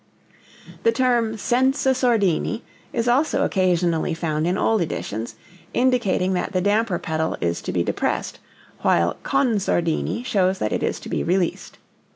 The term senza sordini is also occasionally found in old editions, indicating that the damper pedal is to be depressed, while con sordini shows that it is to be released.